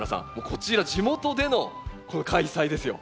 こちら地元での開催ですよ。